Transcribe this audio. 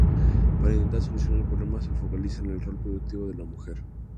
Para intentar solucionar el problema se focaliza en el rol productivo de la mujer.